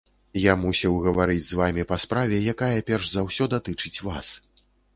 Я мусіў гаварыць з вамі па справе, якая перш за ўсё датычыць вас.